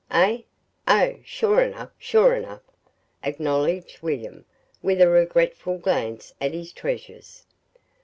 "Eh? Oh, sure enough sure enough," acknowledged William, with a regretful glance at his treasures.